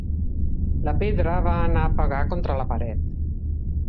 La pedra va anar a pegar contra la paret.